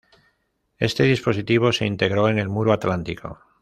Este dispositivo se integró en el Muro atlántico.